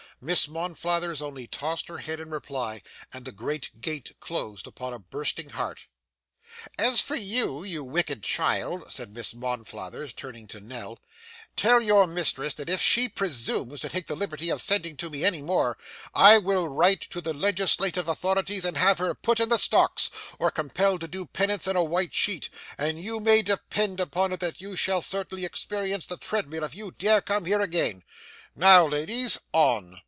Miss Monflathers only tossed her head in reply, and the great gate closed upon a bursting heart. 'As for you, you wicked child,' said Miss Monflathers, turning to Nell, 'tell your mistress that if she presumes to take the liberty of sending to me any more, I will write to the legislative authorities and have her put in the stocks, or compelled to do penance in a white sheet; and you may depend upon it that you shall certainly experience the treadmill if you dare to come here again. Now ladies, on.